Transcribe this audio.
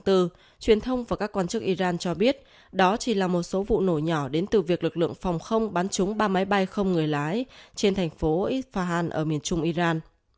truyền thông và các quan chức iran cho biết đó chỉ là một số vụ nổ nhỏ đến từ việc lực lượng phòng không bắn chúng ba máy bay không người lái trên thành phố isfahan ở miền trung iran